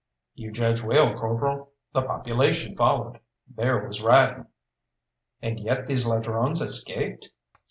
"You judge well, corporal the population followed. There was riding!" "And yet these ladrones escaped?"